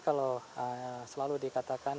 kalau selalu dikatakan